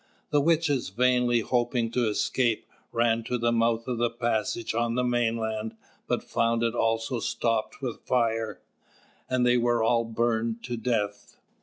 The witches, vainly hoping to escape, ran to the mouth of the passage on the mainland, but found it also stopped with fire; and they were all burned to death.